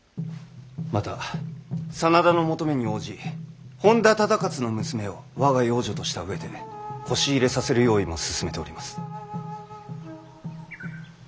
また真田の求めに応じ本多忠勝の娘を我が養女とした上でこし入れさせる用意も進めております。